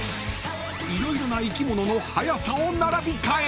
［色々な生き物の速さを並び替え］